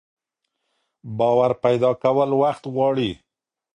باور پيدا کول وخت غواړي.